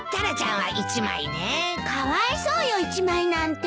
かわいそうよ１枚なんて。